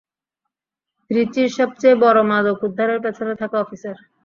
ত্রিচির সবচেয়ে বড়ো মাদক উদ্ধারের পেছনে থাকা অফিসার।